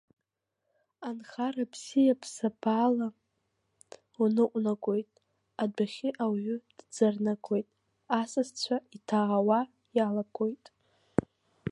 Анхара бзиа бзабаала уныҟәнагоит, адәахьы ауаҩы дӡырнагоит, асасцәа иҭаауа иалагоит.